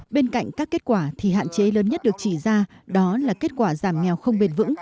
bên cạnh các kết quả thì hạn chế lớn nhất được chỉ ra đó là kết quả giảm nghèo không bền vững